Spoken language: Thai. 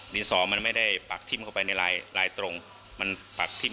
ดินสองมันไม่ได้ปักทิ้มเข้าไปในลายลายตรงมันปักทิ้ม